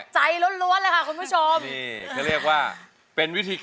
เสียงดนตรี